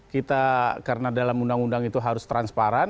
kita karena dalam undang undang itu harus transparan